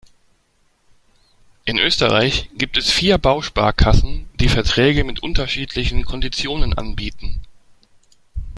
In Österreich gibt es vier Bausparkassen, die Verträge mit unterschiedlichen Konditionen anbieten.